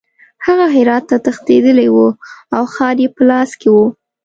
هغه هرات ته تښتېدلی وو او ښار یې په لاس کې وو.